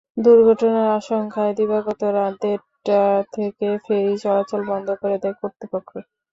দুর্ঘটনার আশঙ্কায় দিবাগত রাত দেড়টা থেকে ফেরি চলাচল বন্ধ করে দেয় কর্তৃপক্ষ।